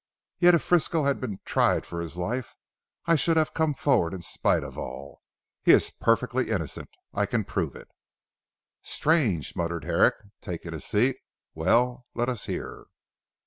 Yet if Frisco had been tried for his life, I should have come forward in spite of all. He is perfectly innocent. I can prove it." "Strange," muttered Herrick taking a seat. "Well, let us hear."